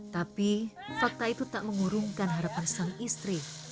tapi fakta itu tak mengurungkan harapan sang istri